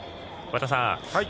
和田さん